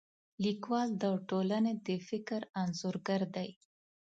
لیکوال د ټولنې د فکر انځورګر دی.